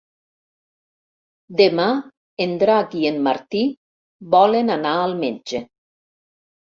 Demà en Drac i en Martí volen anar al metge.